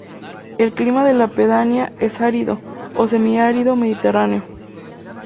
El clima de la pedanía es árido o semiárido mediterráneo.